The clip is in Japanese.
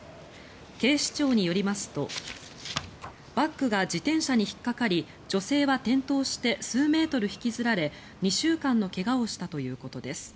警視庁によりますとバッグが自転車に引っかかり女性は転倒して数メートル引きずられ２週間の怪我をしたということです。